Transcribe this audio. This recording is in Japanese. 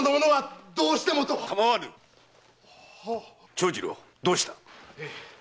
長次郎どうした？